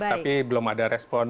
tapi belum ada respon